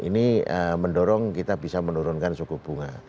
ini mendorong kita bisa menurunkan suku bunga